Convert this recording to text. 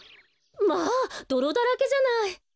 まあどろだらけじゃない。